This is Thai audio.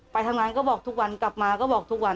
ไปทำงานก็บอกทุกวันกลับมาก็บอกทุกวัน